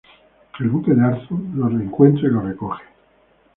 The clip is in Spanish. El buque de Arthur los encuentra, y los recoge.